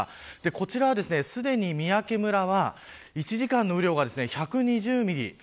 こちらは、すでに三宅村は１時間の雨量が１２０ミリ。